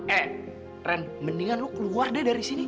eh ren mendingan lo keluar deh dari sini